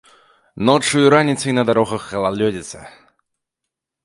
Ноччу і раніцай на дарогах галалёдзіца.